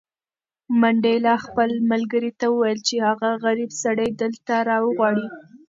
منډېلا خپل ملګري ته وویل چې هغه غریب سړی دلته راوغواړه.